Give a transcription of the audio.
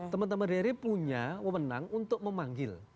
teman teman dari punya memenang untuk memanggil